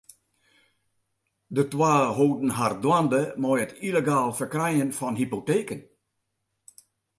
De twa holden har dwaande mei it yllegaal ferkrijen fan hypoteken.